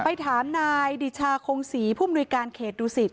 ไปถามนายดิชาโคงศรีผู้อำนวยการเขตดูสิทธิ์